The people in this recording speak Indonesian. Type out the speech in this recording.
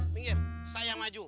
minggir saya maju